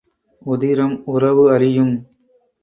உதிரம் உறவு அறியும்.